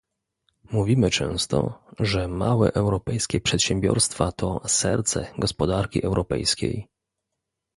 Mówimy często, że małe europejskie przedsiębiorstwa to "serce" gospodarki europejskiej